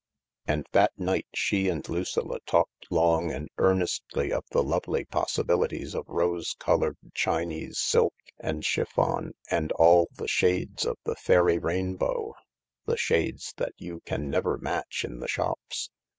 And that night she and Lucilla talked long and earnestly of the lovely possibilities of rose coloured Chinese silk and chiffon of all the shades of the fairy rainbow — the shades that you can never match in the shops.